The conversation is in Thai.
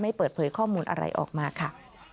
เปิดเผยข้อมูลอะไรออกมาค่ะ